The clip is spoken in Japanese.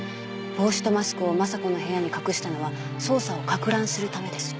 「帽子とマスクを雅子の部屋に隠したのは捜査を攪乱する為です」